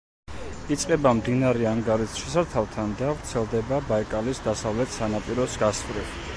იწყება მდინარე ანგარის შესართავთან და ვრცელდება ბაიკალის დასავლეთ სანაპიროს გასწვრივ.